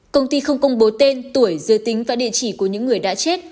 công ty không công bố tên tuổi giới tính và địa chỉ của những người đã chết